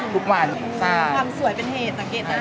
ทุกวันความสวยเป็นเหตุสังเกตได้